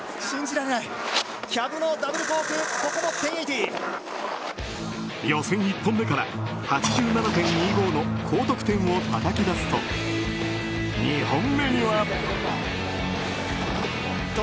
キャブのダブルコーク予選１本目から８７．２５の高得点をたたき出すと２本目には。